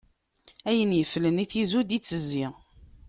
Ayen iflen i tizi, ur d-itezzi.